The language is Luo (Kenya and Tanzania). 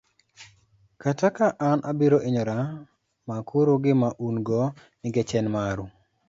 kata ka an abiro hinyora, mak uru gima un godo nikech en maru.